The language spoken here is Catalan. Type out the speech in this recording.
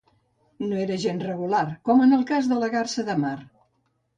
No era gens regular, com en el cas de la garsa de mar